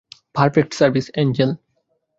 Perfect service, Angel.